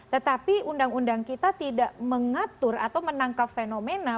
tetapi undang undang kita tidak mengatur atau menangkap fenomena